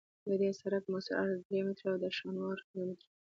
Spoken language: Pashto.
د دې سرک مؤثر عرض درې متره او د شانو عرض یو متر دی